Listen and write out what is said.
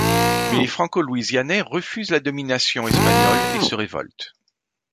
Mais les Franco-louisianais refusent la domination espagnole et se révoltent.